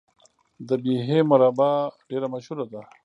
د بیحي مربا ډیره مشهوره ده.